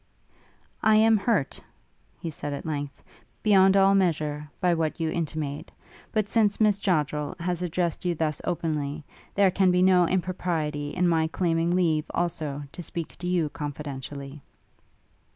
'I am hurt,' he at length said, 'beyond all measure, by what you intimate; but since Miss Joddrel has addressed you thus openly, there can be no impropriety in my claiming leave, also, to speak to you confidentially.'